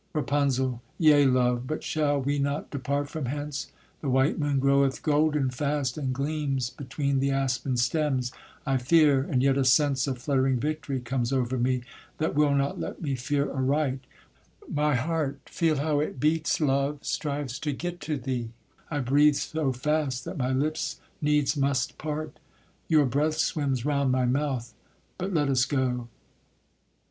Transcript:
RAPUNZEL. Yea, love; but shall we not depart from hence? The white moon groweth golden fast, and gleams Between the aspens stems; I fear, and yet a sense Of fluttering victory comes over me, That will not let me fear aright; my heart, Feel how it beats, love, strives to get to thee; I breathe so fast that my lips needs must part; Your breath swims round my mouth, but let us go.